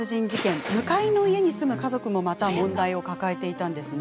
その向かいの家に住む家族もまた問題を抱えていました。